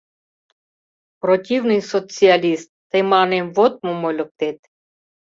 Противный социалист, тый мыланем вот мом ойлыктет.